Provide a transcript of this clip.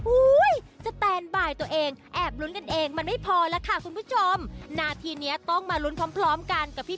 อุ้ยสแตนบายตัวเองแอบลุ้นกันเองมันไม่พอแล้วค่ะคุณผู้ชมนาทีเนี้ยต้องมาลุ้นพร้อมพร้อมกันกับพี่